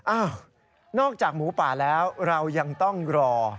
อ้าวนอกจากหมูป่าแล้วเรายังต้องรอ